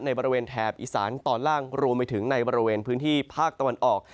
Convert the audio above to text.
บริเวณแถบอีสานตอนล่างรวมไปถึงในบริเวณพื้นที่ภาคตะวันออก